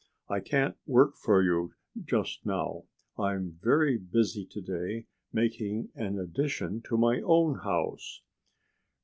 I can't work for you just now. I'm very busy to day, making an addition to my own house."